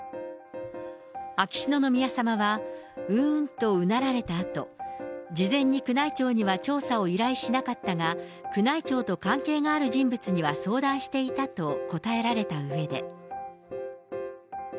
秋篠宮さまはうーんとうなられたあと、事前に宮内庁には調査を依頼しなかったが、宮内庁と関係がある人物には相談していたと答えられたうえで。